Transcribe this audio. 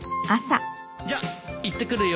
じゃあ行ってくるよ。